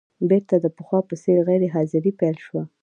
بېرته د پخوا په څېر غیر حاضري پیل شوه.